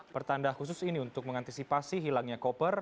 pertanda khusus ini untuk mengantisipasi hilangnya koper